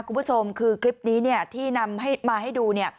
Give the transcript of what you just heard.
คุณผู้ชมคือคลิปนี้ที่นำมาให้ดู